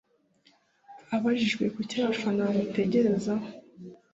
Abajijwe kucyo abafana bamutegerezaho